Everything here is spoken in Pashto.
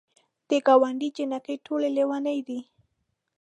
د ګاونډ جینکۍ ټولې لیونۍ دي.